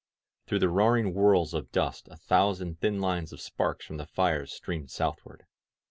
Through the roaring whirls of dust a thousand thin lines of sparks from the fires streamed southward.